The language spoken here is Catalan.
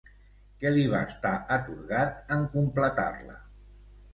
Què li va estar atorgat en completar-la?